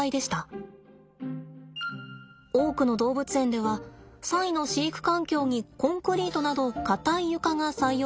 多くの動物園ではサイの飼育環境にコンクリートなど硬い床が採用されていました。